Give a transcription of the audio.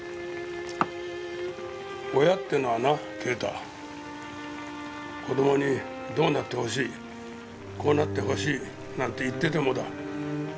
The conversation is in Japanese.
親ってのはな啓太子供にどうなってほしいこうなってほしいなんて言っててもだ